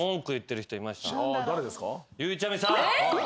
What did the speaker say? ゆうちゃみさん。